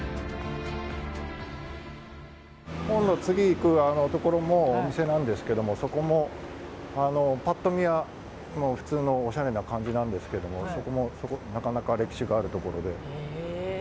今度、次行くところもお店なんですけどそこもパッと見は普通のおしゃれな感じなんですけどそこもなかなか歴史があるところで。